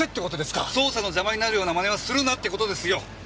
捜査の邪魔になるような真似はするなって事ですよ！